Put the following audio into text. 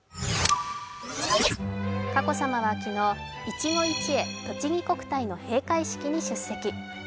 佳子さまは昨日、いちご一会とちぎ国体の閉会式に出席。